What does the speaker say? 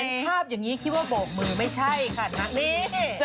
เห็นภาพอย่างนี้คิดว่าโบกมือไม่ใช่ค่ะนักนี่